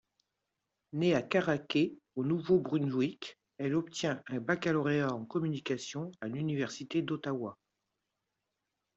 Née à Caraquet, au Nouveau-Brunswick, elle obtient un baccalauréat en communications à l'Université d'Ottawa.